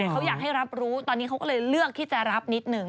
เขาอยากให้รับรู้ตอนนี้เขาก็เลยเลือกที่จะรับนิดหนึ่ง